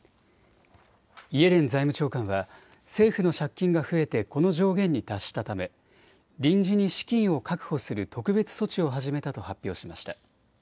イエレン財務長官は政府の借金が増えてこの上限に達したため臨時に資金を確保する特別措置を始めたと発表しました。